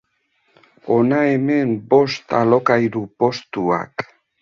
Hona hemen bost alokairu postuak.